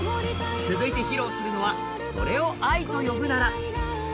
続いて披露するのは「それを愛と呼ぶなら」。